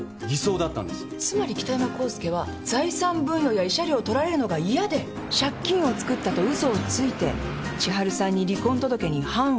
つまり北山浩介は財産分与や慰謝料を取られるのが嫌で借金をつくったと嘘をついて千春さんに離婚届に判を押させた。